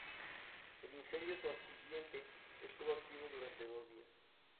El incendio consiguiente estuvo activo durante dos días.